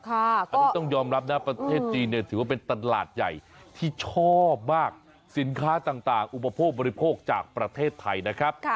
อันนี้ต้องยอมรับนะประเทศจีนเนี่ยถือว่าเป็นตลาดใหญ่ที่ชอบมากสินค้าต่างอุปโภคบริโภคจากประเทศไทยนะครับ